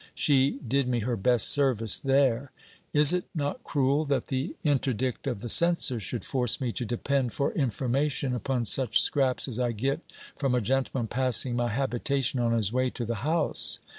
She did me her best service there. Is it not cruel that the interdict of the censor should force me to depend for information upon such scraps as I get from a gentleman passing my habitation on his way to the House?